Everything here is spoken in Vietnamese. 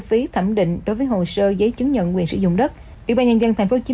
phí thẩm định đối với hồ sơ giấy chứng nhận quyền sử dụng đất ủy ban nhân dân thành phố hồ chí